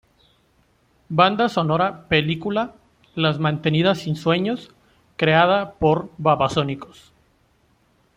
Banda sonora película "Las mantenidas sin sueños' creada por Babasónicos.